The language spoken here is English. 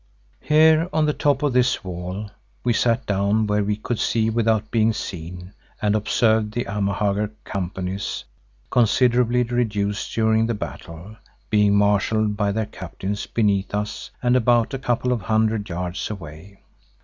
Here on the top of this wall we sat down where we could see without being seen, and observed the Amahagger companies, considerably reduced during the battle, being marshalled by their captains beneath us and about a couple of hundred yards away.